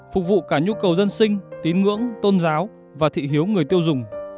phục vụ cả nhu cầu dân sinh tín ngưỡng tôn giáo và thị hiếu người tiêu dùng